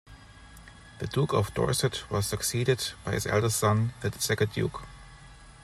The Duke of Dorset was succeeded by his eldest son, the second Duke.